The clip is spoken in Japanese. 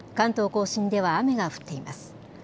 甲信では雨が降っています。